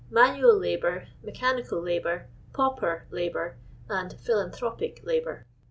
manual labour, mechanical labour, pauper labour, and phi lanthropic labour.